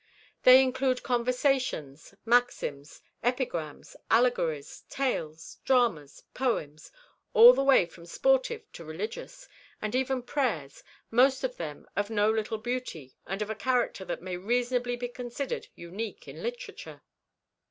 They include conversations, maxims, epigrams, allegories, tales, dramas, poems, all the way from sportive to religious, and even prayers, most of them of no little beauty and of a character that may reasonably be considered unique in literature.